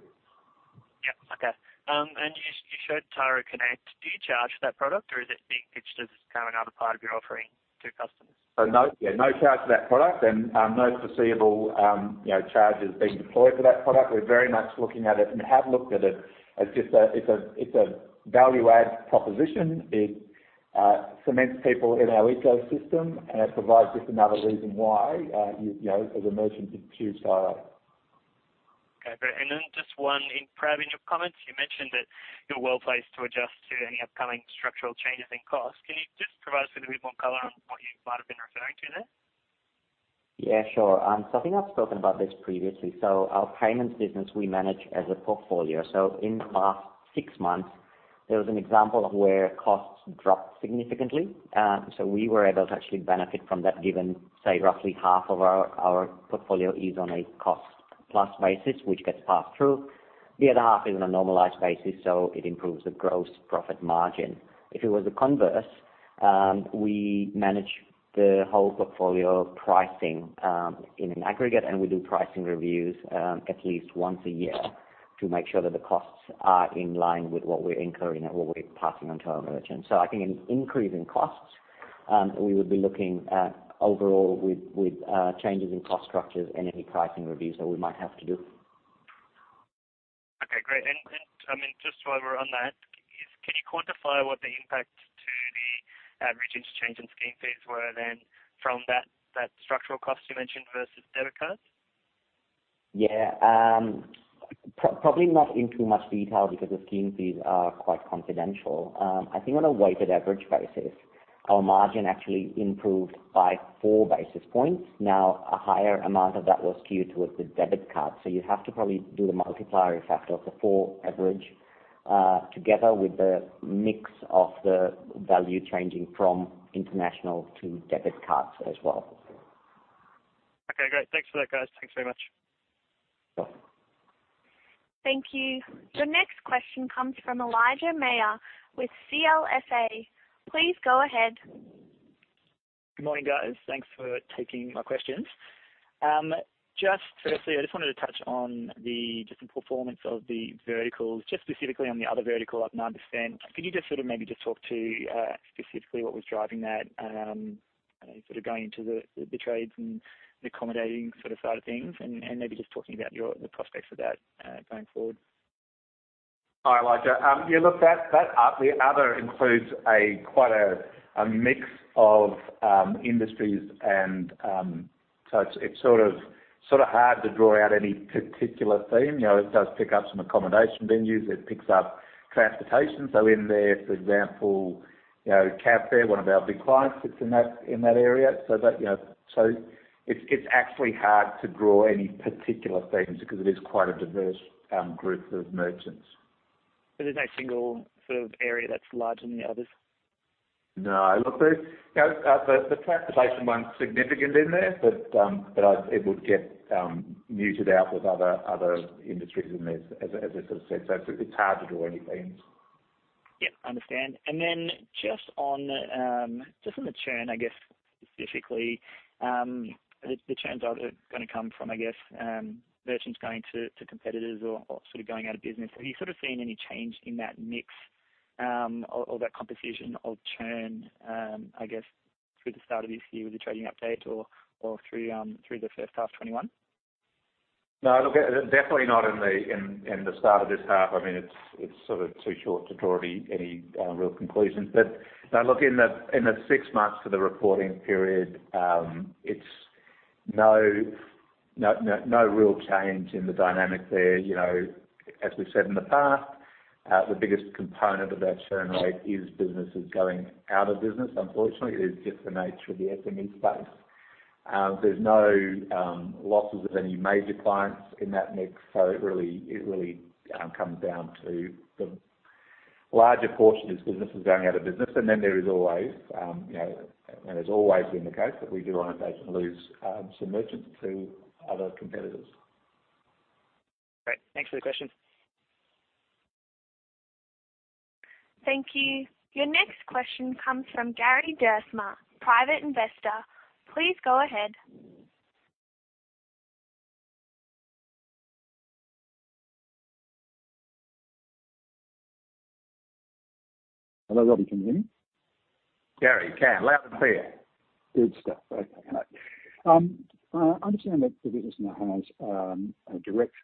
Yeah. Okay. You showed Tyro Connect. Do you charge for that product, or is it being pitched as kind of another part of your offering to customers? No charge for that product and no foreseeable charges being deployed for that product. We're very much looking at it and have looked at it as just a value add proposition. It cements people in our ecosystem, and it provides just another reason why as a merchant you'd choose Tyro. Okay, great. Just one. Prav, in your comments, you mentioned that you're well-placed to adjust to any upcoming structural changes in cost. Can you just provide us with a bit more color on what you might have been referring to there? Yeah, sure. I think I've spoken about this previously. Our payments business, we manage as a portfolio. In the last six months, there was an example of where costs dropped significantly. We were able to actually benefit from that, given, say, roughly half of our portfolio is on a cost-plus basis, which gets passed through. The other half is on a normalized basis, so it improves the gross profit margin. If it was the converse, we manage the whole portfolio pricing in an aggregate, and we do pricing reviews at least once a year to make sure that the costs are in line with what we're incurring and what we're passing on to our merchants. I think an increase in costs. We would be looking at overall with changes in cost structures and any pricing reviews that we might have to do. Okay, great. Just while we're on that, can you quantify what the impact to the average interchange and scheme fees were then from that structural cost you mentioned versus debit cards? Yeah. Probably not in too much detail because the scheme fees are quite confidential. I think on a weighted average basis, our margin actually improved by 4 basis points. A higher amount of that was skewed towards the debit cards. You have to probably do the multiplier effect of the 4 basis points average, together with the mix of the value changing from international to debit cards as well. Okay, great. Thanks for that, guys. Thanks very much. Thank you. Your next question comes from Elijah Mayr with CLSA. Please go ahead. Good morning, guys. Thanks for taking my questions. Firstly, I just wanted to touch on just the performance of the verticals, just specifically on the other vertical I can understand. Could you just maybe just talk to specifically what was driving that, sort of going into the trades and the accommodating side of things and maybe just talking about the prospects of that going forward? Hi, Elijah. Yeah, look, the other includes quite a mix of industries. It's sort of hard to draw out any particular theme. It does pick up some accommodation venues. It picks up transportation. In there, for example, CabFare, one of our big clients, sits in that area. It's actually hard to draw any particular themes because it is quite a diverse group of merchants. There's no single sort of area that's larger than the others? No. Look, the transportation one's significant in there, but it would get muted out with other industries in there, as I sort of said. It's hard to draw any themes. Yep, understand. Just on the churn, I guess specifically, the churns are going to come from, I guess, merchants going to competitors or sort of going out of business. Have you sort of seen any change in that mix, or that composition of churn, I guess, through the start of this year with the trading update or through the first half 2021? No, look, definitely not in the start of this half. It's sort of too short to draw any real conclusions. Look, in the six months for the reporting period, it's no real change in the dynamic there. As we've said in the past, the biggest component of our churn rate is businesses going out of business. Unfortunately, it is just the nature of the SME space. There's no losses of any major clients in that mix. It really comes down to the larger portion is businesses going out of business. Then there is always, and has always been the case, that we do on occasion lose some merchants to other competitors. Great. Thanks for the question. Thank you. Your next question comes from Gary Duursma, Private Investor. Please go ahead. Hello, Robbie. Can you hear me? Gary, we can. Loud and clear. Good stuff. Okay. I understand that the business now has a direct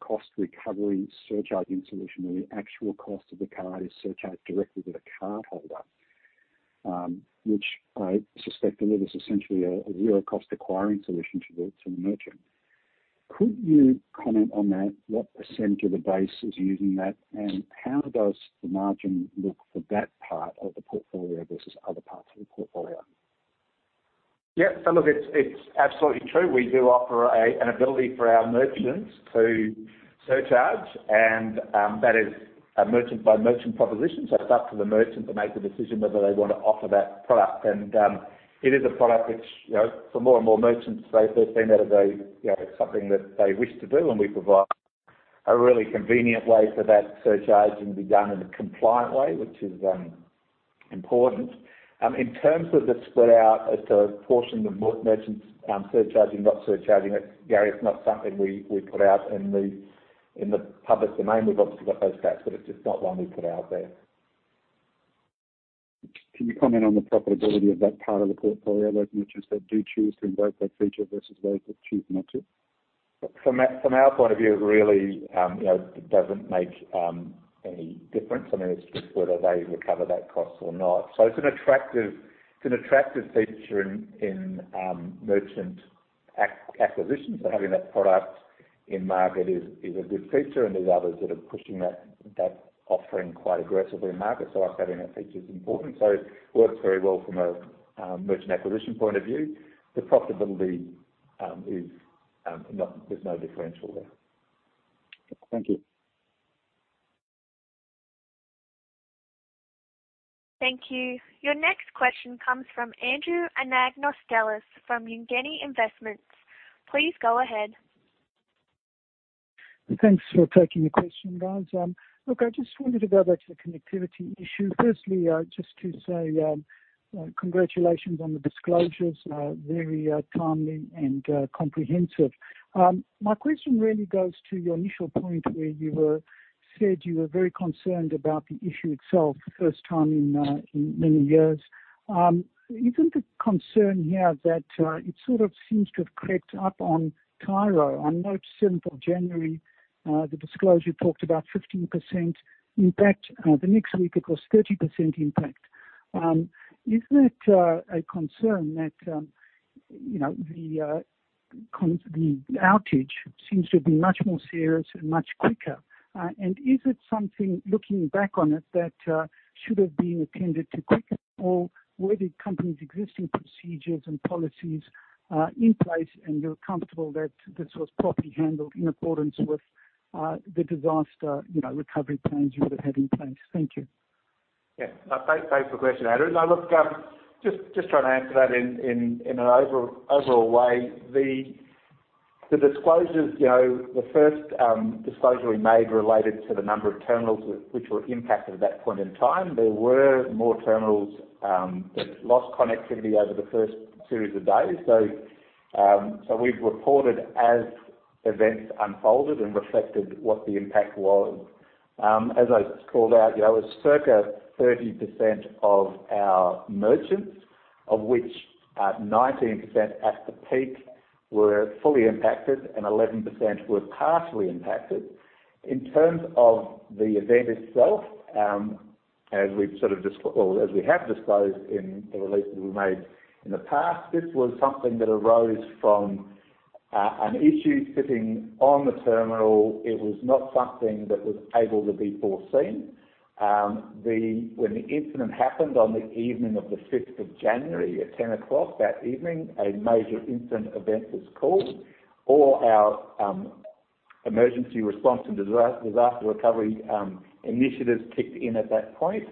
cost recovery surcharge solution where the actual cost of the card is surcharged directly to the cardholder, which I suspect delivers essentially a zero-cost acquiring solution to the merchant. Could you comment on that? What percentage of the base is using that, and how does the margin look for that part of the portfolio versus other parts of the portfolio? Yeah. Look, it's absolutely true. We do offer an ability for our merchants to surcharge, and that is a merchant-by-merchant proposition. It's up to the merchant to make the decision whether they want to offer that product. It is a product which, for more and more merchants, they've seen that as something that they wish to do, and we provide a really convenient way for that surcharge to be done in a compliant way, which is important. In terms of the split out as to a portion of merchants surcharging, not surcharging, Gary, it's not something we put out in the public domain. We've obviously got those stats, but it's just not one we put out there. Can you comment on the profitability of that part of the portfolio, those merchants that do choose to invoke that feature versus those that choose not to? From our point of view, it really doesn't make any difference. It's just whether they recover that cost or not. It's an attractive feature in merchant acquisitions. Having that product in market is a good feature, and there's others that are pushing that offering quite aggressively in market. Having that feature is important. It works very well from a merchant acquisition point of view. The profitability, there's no differential there. Thank you. Thank you. Your next question comes from Andrew Anagnostellis from Umgeni Investments. Please go ahead. Thanks for taking the question, guys. Look, I just wanted to go back to the connectivity issue. Firstly, just to say congratulations on the disclosures, very timely and comprehensive. My question really goes to your initial point where you said you were very concerned about the issue itself the first time in many years. Isn't the concern here that it sort of seems to have crept up on Tyro? I note 7th of January, the disclosure talked about 15%, in fact, the next week it was 30% impact. Isn't it a concern that the outage seems to have been much more serious and much quicker? Is it something, looking back on it, that should have been attended to quicker? Were the company's existing procedures and policies in place, and you're comfortable that this was properly handled in accordance with the disaster recovery plans you would have had in place? Thank you. Yeah. Thanks for the question, Andrew. Now, look, just trying to answer that in an overall way. The disclosures, the first disclosure we made related to the number of terminals which were impacted at that point in time. There were more terminals that lost connectivity over the first series of days. We've reported as events unfolded and reflected what the impact was. As I called out, it was circa 30% of our merchants, of which 19% at the peak were fully impacted and 11% were partially impacted. In terms of the event itself, as we have disclosed in the releases we made in the past, this was something that arose from an issue sitting on the terminal. It was not something that was able to be foreseen. When the incident happened on the evening of the 5th of January at 10:00 that evening, a major incident event was called. All our emergency response and disaster recovery initiatives kicked in at that point,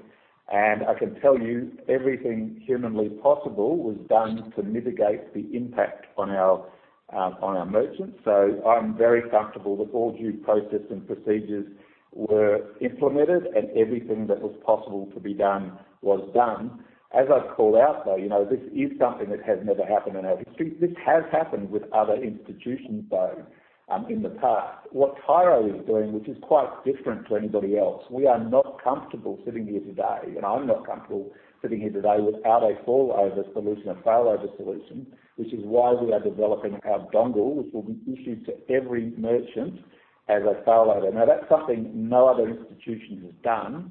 and I can tell you everything humanly possible was done to mitigate the impact on our merchants. I'm very comfortable that all due process and procedures were implemented and everything that was possible to be done was done. As I called out, though, this is something that has never happened in our history. This has happened with other institutions, though, in the past. What Tyro is doing, which is quite different to anybody else, we are not comfortable sitting here today, and I'm not comfortable sitting here today without a failover solution, which is why we are developing our dongle, which will be issued to every merchant as a failover. Now, that's something no other institution has done,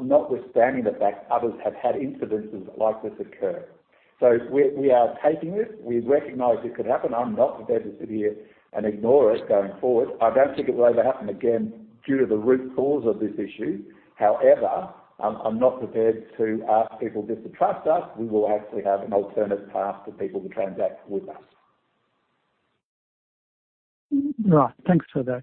notwithstanding the fact others have had incidences like this occur. We are taking this. We recognize it could happen. I'm not prepared to sit here and ignore it going forward. I don't think it will ever happen again due to the root cause of this issue. However, I'm not prepared to ask people just to trust us. We will actually have an alternate path for people to transact with us. Right. Thanks for that.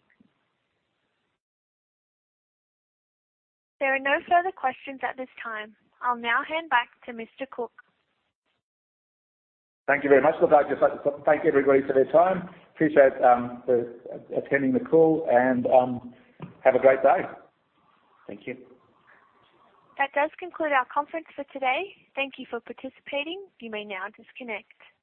There are no further questions at this time. I'll now hand back to Mr. Cooke. Thank you very much. Look, I'd just like to thank everybody for their time. I appreciate attending the call and have a great day. Thank you. That does conclude our conference for today. Thank you for participating. You may now disconnect.